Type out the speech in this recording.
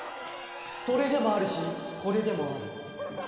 それでもあるしこれでもある。